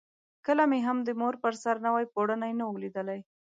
کله مې هم د مور پر سر نوی پوړونی نه وو لیدلی.